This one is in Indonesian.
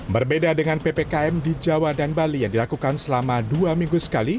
berbeda dengan ppkm di jawa dan bali yang dilakukan selama dua minggu sekali